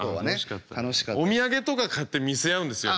お土産とか買って見せ合うんですよね。